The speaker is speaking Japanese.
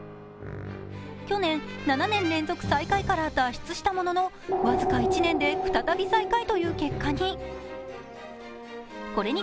去年、７年連続最下位から脱出したものの僅か１年で再び最下位という結果に。